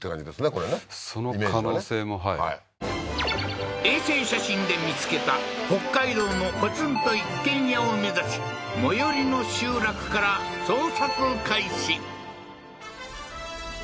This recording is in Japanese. これねその可能性もはい衛星写真で見つけた北海道のポツンと一軒家を目指し最寄りの集落から捜索開始